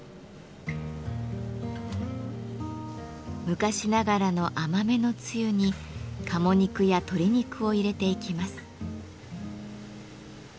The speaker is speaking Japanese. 昔ながらの甘めのつゆに鴨肉や鶏肉を入れていきます。